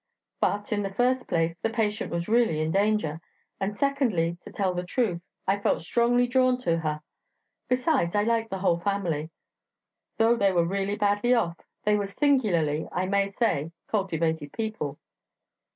But, in the first place, the patient was really in danger; and secondly, to tell the truth, I felt strongly drawn to her. Besides, I liked the whole family. Though they were really badly off, they were singularly, I may say, cultivated people...